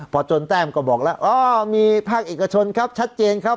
พอจนแต้มก็บอกแล้วอ๋อมีภาคเอกชนครับชัดเจนครับ